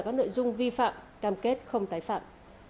các nội dung vi phạm cam kết không tái phạm